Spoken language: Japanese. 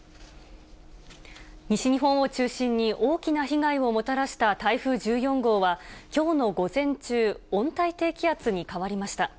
西日本を中心に大きな被害をもたらした台風１４号は、きょうの午前中、温帯低気圧に変わりました。